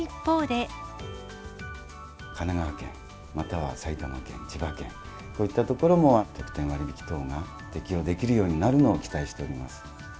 神奈川県、または埼玉県、千葉県、こういった所も、特典割引等が適用できるようになるのを期待しております。